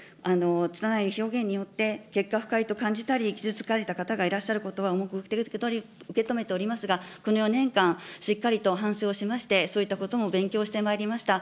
つたない表現によって、結果、不快と感じたり、傷つかれた方がいることは重く受け止めておりますが、この４年間、しっかりと反省をしまして、そういったことも勉強してまいりました。